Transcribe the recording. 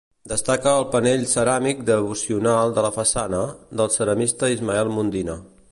Destaca el panell ceràmic devocional de la façana, del ceramista Ismael Mundina.